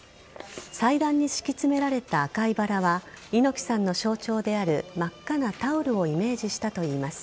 祭壇に敷き詰められた赤いバラは猪木さんの象徴である真っ赤なタオルをイメージしたといいます。